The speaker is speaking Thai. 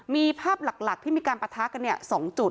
มีภาพหลักที่มีปะทะกันยัง๒จุด